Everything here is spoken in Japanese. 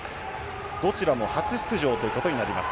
どちらも初出場です。